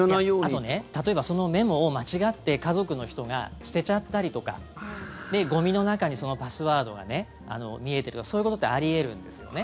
あと、例えばそのメモを間違って家族の人が捨てちゃったりとかで、ゴミの中にそのパスワードが見えてるとかそういうことってあり得るんですよね。